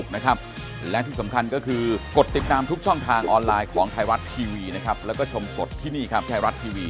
นี่คือภารกิจของนโยบายรัฐบาลชุดนี้